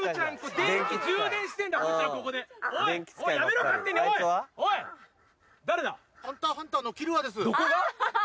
どこが？